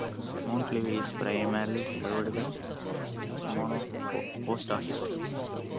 Mount Ivy is primarily served by the Pomona post office.